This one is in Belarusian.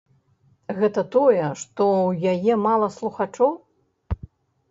Гэта тое, што ў яе мала слухачоў?